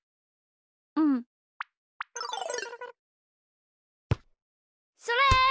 うん。それ！